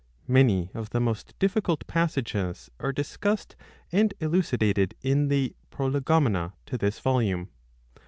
Many of the most difficult passages are discussed and elucidated in the prolegomena to this volume.